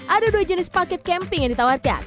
ada dua jenis paket camping yang ditawarkan